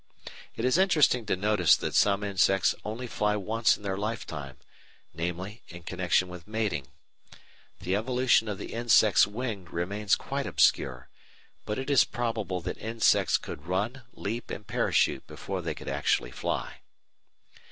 It is interesting to notice that some insects only fly once in their lifetime, namely, in connection with mating. The evolution of the insect's wing remains quite obscure, but it is probable that insects could run, leap, and parachute before they could actually fly.